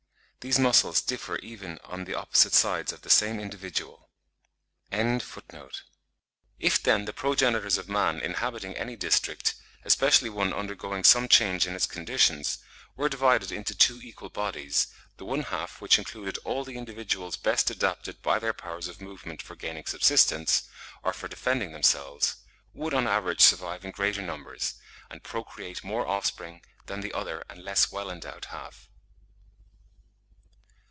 These muscles differ even on the opposite sides of the same individual.) to incessant variability. If then the progenitors of man inhabiting any district, especially one undergoing some change in its conditions, were divided into two equal bodies, the one half which included all the individuals best adapted by their powers of movement for gaining subsistence, or for defending themselves, would on an average survive in greater numbers, and procreate more offspring than the other and less well endowed half.